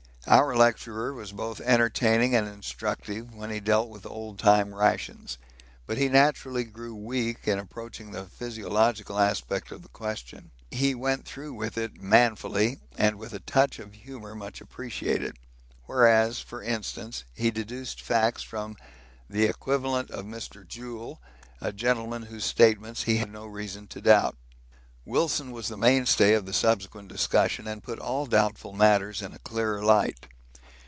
Our lecturer was both entertaining and instructive when he dealt with old time rations; but he naturally grew weak in approaching the physiological aspect of the question. He went through with it manfully and with a touch of humour much appreciated; whereas, for instance, he deduced facts from 'the equivalent of Mr. Joule, a gentleman whose statements he had no reason to doubt.' Wilson was the mainstay of the subsequent discussion and put all doubtful matters in a clearer light.